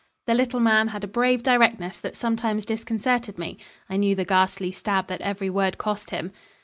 The little man had a brave directness that sometimes disconcerted me. I knew the ghastly stab that every word cost him.